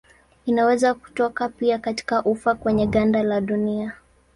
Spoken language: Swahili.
Inaweza kutoka pia katika ufa kwenye ganda la dunia.